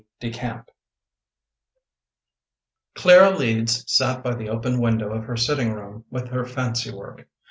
DE CAMP Clara Leeds sat by the open window of her sitting room with her fancy work.